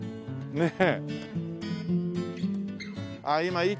ねえ。